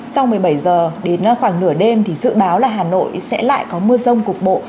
sau một mươi bảy h đến khoảng nửa đêm thì dự báo là hà nội sẽ lại có mưa rông cục bộ